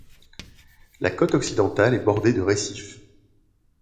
La côte occidentale est bordée de récifs.